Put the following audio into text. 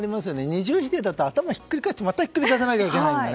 二重否定だと一度ひっくり返ってまたひっくり返さないといけないんです。